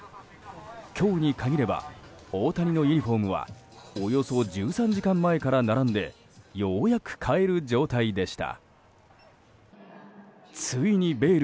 今日に限れば大谷のユニホームはおよそ１３時間前から並んでようやく買える状態でした。